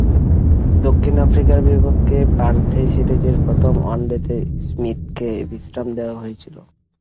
দক্ষিণ আফ্রিকার বিপক্ষে পার্থে সিরিজের প্রথম ওয়ানডেতে স্মিথকে বিশ্রাম দেওয়া হয়েছিল।